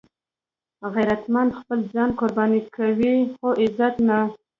غیرتمند خپل ځان قرباني کوي خو عزت نه